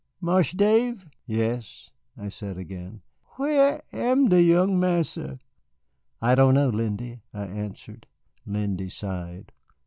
Marse Dave?" "Yes?" I said again. "Where am de young Marsa?" "I don't know, Lindy," I answered. Lindy sighed.